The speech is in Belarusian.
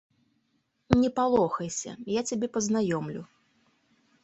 Не палохайся, я цябе пазнаёмлю.